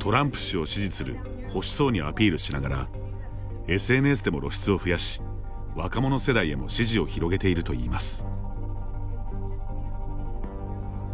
トランプ氏を支持する保守層にアピールしながらＳＮＳでも露出を増やし若者世代へも支持を広げているといいます。